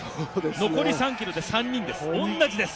残り３ｋｍで３人です、同じです！